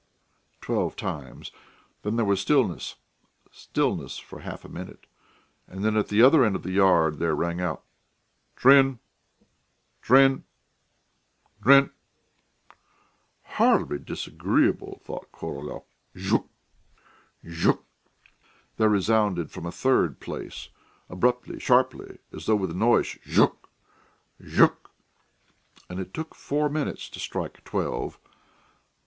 dair ... dair ... dair ..." twelve times. Then there was stillness, stillness for half a minute, and at the other end of the yard there rang out. "Drin ... drin ... drin...." "Horribly disagreeable," thought Korolyov. "Zhuk ... zhuk ..." there resounded from a third place, abruptly, sharply, as though with annoyance "Zhuk ... zhuk...." And it took four minutes to strike twelve.